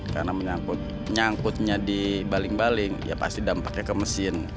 karena menyangkutnya di baling baling ya pasti dampaknya ke mesin